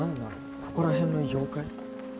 ここら辺の妖怪？